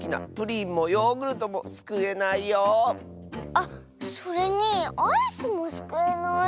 あっそれにアイスもすくえない。